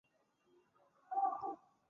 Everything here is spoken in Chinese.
返台后任教则于台湾大学中文系。